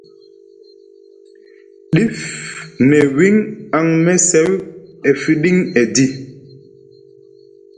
Dif nʼe wiŋ aŋ mesew e fiɗiŋ edi.